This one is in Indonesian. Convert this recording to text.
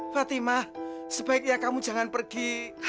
fatimah sebaiknya kamu jangan pergi